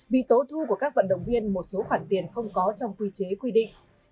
bị tố thu của các vận động viên một số khoản tiền không có trong quy chế quy định